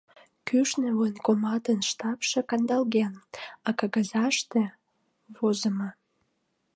Кӱшнӧ военкоматын штампше кандалген, а кагазыште возымо: